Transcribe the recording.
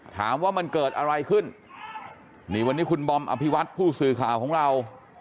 ถามว่ามันเกิดอะไรขึ้นนี่วันนี้คุณบอมอภิวัตผู้สื่อข่าวของเรา